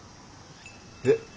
えっ？